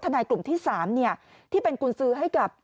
นายกลุ่มที่๓ที่เป็นกุญสือให้กับ